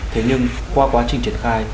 thế nhưng qua quá trình triển khai